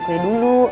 tapi saya di depan bu